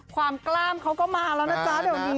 ความกล้ามเขาก็มาแล้วนะจ๊ะเดี๋ยวนี้